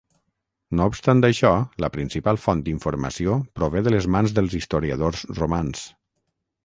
No obstant això, la principal font d'informació prové de les mans dels historiadors romans.